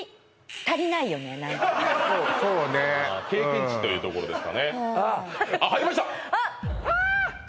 そうそうね経験値というところですかね